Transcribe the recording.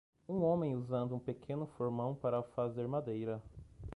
Um homem usando um pequeno formão para fazer madeira.